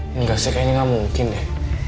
tidak sih kayanya gak mungkin deh